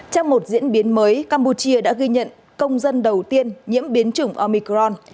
trong một diễn biến mới campuchia đã ghi nhận công dân đầu tiên nhiễm biến chủng omicron